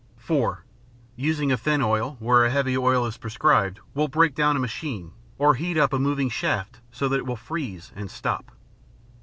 (4) Using a thin oil where a heavy oil is prescribed will break down a machine or heat up a moving shaft so that it will "freeze" and stop.